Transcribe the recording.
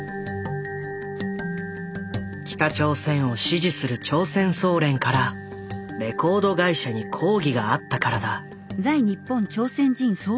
北朝鮮を支持する朝鮮総連からレコード会社に抗議があったからだ。